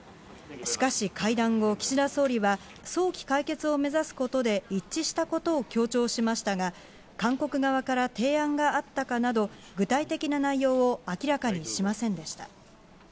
しかし、会談後、岸田総理は早期解決を目指すことで一致したことを強調しましたが、韓国側から提案があったかなど、具体的な内容を明らかにしませんでした。